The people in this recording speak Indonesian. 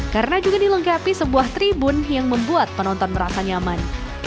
karena juga dilengkapi sebuah tribun yang membuat penonton merasa nyaman